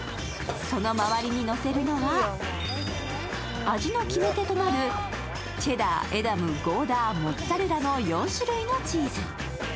その周りにのせるのは味の決め手となるチェダー、エダム、ゴーダー、モッツァレラの４種類のチーズ。